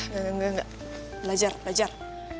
nggak nggak nggak belajar belajar